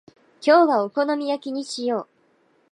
今日はお好み焼きにしよう。